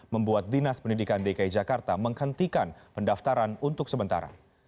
membuat dinas pendidikan dki jakarta menghentikan pendaftaran untuk sementara